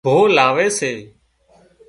ڀوهه لاوي سي